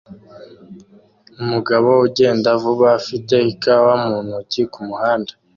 Umugabo ugenda vuba afite ikawa mu ntoki kumuhanda